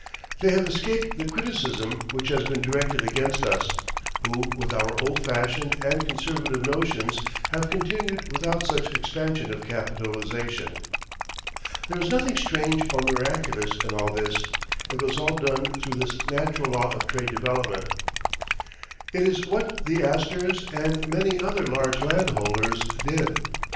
They have escaped the criticism which has been directed against us, who with our old fashioned and conservative notions have continued without such expansion of capitalization. There is nothing strange or miraculous in all this; it was all done through this natural law of trade development. It is what the Astors and many other large landholders did.